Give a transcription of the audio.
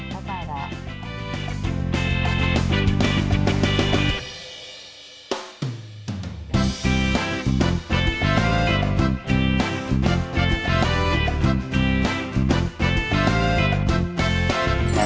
อ๋อเข้าใจแล้ว